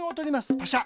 パシャ。